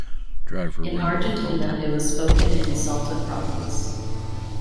In Argentina, it was spoken in Salta province.